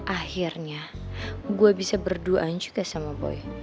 akhirnya gue bisa berdoa juga sama boy